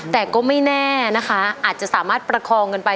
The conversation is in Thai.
แต่ก็ไม่แน่นะคะอาจจะสามารถประคองกันไป